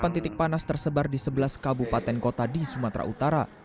delapan titik panas tersebar di sebelas kabupaten kota di sumatera utara